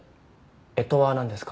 干支は何ですか？